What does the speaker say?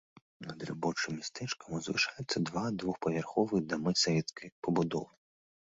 Над рабочым мястэчкам узвышаюцца два двухпавярховыя дамы савецкай пабудовы.